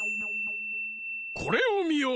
これをみよ！